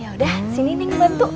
yaudah sini neng ngebantu